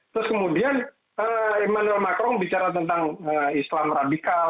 terus kemudian emmanuel macron bicara tentang islam radikal